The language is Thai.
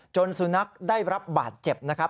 สุนัขได้รับบาดเจ็บนะครับ